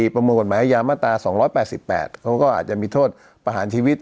ประมวลกฎหมายอายามาตรา๒๘๘เขาก็อาจจะมีโทษประหารชีวิต